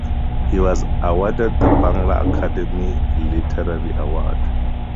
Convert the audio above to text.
He was awarded the Bangla Academy Literary Award.